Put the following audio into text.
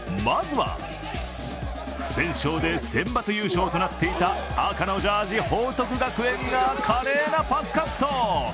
まずは不戦勝で選抜優勝となっていた赤のジャージ・報徳学園が華麗なパスカット。